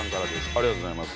ありがとうございます。